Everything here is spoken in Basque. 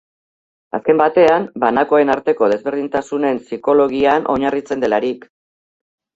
Azken batean, banakoen arteko desberdintasunen psikologian oinarritzen delarik.